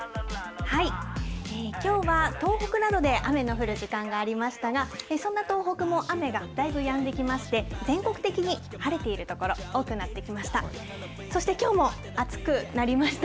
きょうは東北などで雨の降る時間がありましたが、そんな東北も雨がだいぶやんできまして、全国的に晴れている所、多くなってきました。